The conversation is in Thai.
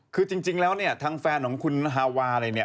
คือจริงแล้วเนี่ยทางแฟนของคุณฮาวาอะไรเนี่ย